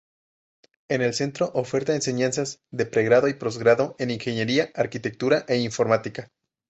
El centro oferta enseñanzas de pregrado y posgrado en ingeniería, arquitectura e informática.